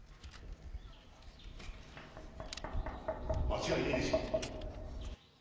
間違いねえでしょう。